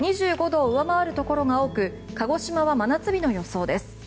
２５度を上回るところが多く鹿児島は真夏日の予想です。